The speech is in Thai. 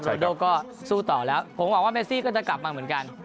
โดก็สู้ต่อแล้วผมหวังว่าเมซี่ก็จะกลับมาเหมือนกัน